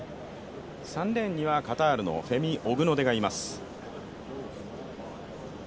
３レーンにはカタールのフェミ・オグノデがいます。